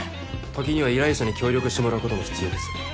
時には依頼者に協力してもらうことも必要です。